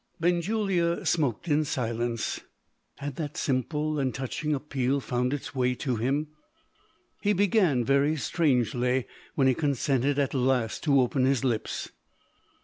Benjulia smoked in silence. Had that simple and touching appeal found its way to him? He began very strangely, when he consented at last to open his lips.